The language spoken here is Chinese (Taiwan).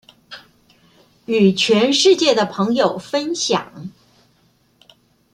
與全世界的朋友分享